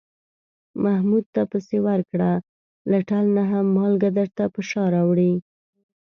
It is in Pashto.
محمود ته پسې ورکړه، له ټل نه هم مالگه درته په شا راوړي.